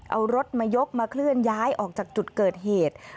เอารถมายกมาเคลื่อนย้ายออกจากจุดเกิดเหตุ